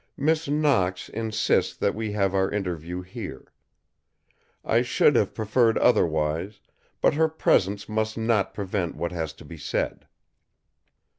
"Miss Knox insists that we have our interview here. I should have preferred otherwise, but her presence must not prevent what has to be said."